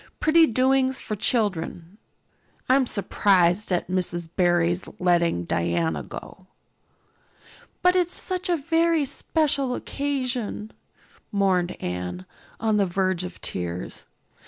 Pretty doings for children. I'm surprised at Mrs. Barry's letting Diana go." "But it's such a very special occasion," mourned Anne, on the verge of tears.